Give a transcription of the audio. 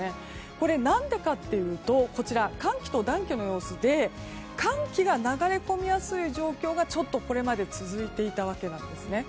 これは何でかというと寒気の暖気の様子で寒気が流れ込みやすい状況がこれまで続いていたわけです。